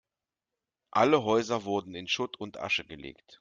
Alle Häuser wurden in Schutt und Asche gelegt.